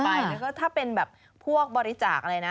ไปก็ถ้าเป็นแบบพวกบริจาคอะไรนะ